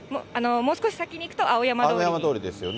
もう少し先に行くと、青山通りですよね。